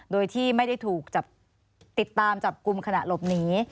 โดยที่ไม่ได้ถูกติดตามจับกลุ่มขณะหลบหนี